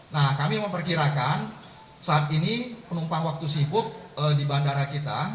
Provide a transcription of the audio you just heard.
nah kami memperkirakan saat ini penumpang waktu sibuk di bandara kita